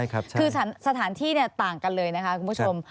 คือสถานที่ต่างกันเลยนะคะคุณผู้ชม